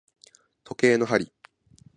時計の針